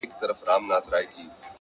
سیاه پوسي ده؛ ستا غمِستان دی؛